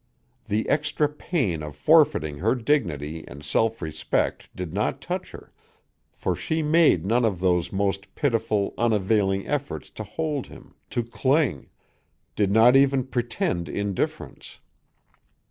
The extra pain of forfeiting her dignity and self respect did not touch her, for she made none of those most pitiful, unavailing efforts to hold him, to cling; did not even pretend indifference.